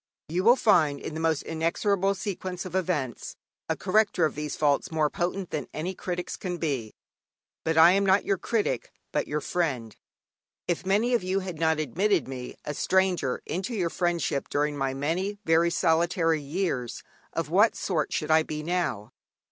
You will find in the inexorable sequence of events a corrector of these faults more potent than any critics can be. But I am not your critic, but your friend. If many of you had not admitted me, a stranger, into your friendship during my many very solitary years, of what sort should I be now?